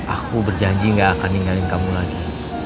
aku berjanji gak akan ninggalin kamu lagi